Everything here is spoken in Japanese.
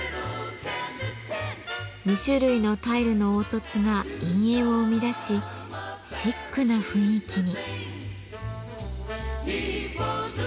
２種類のタイルの凹凸が陰影を生み出しシックな雰囲気に。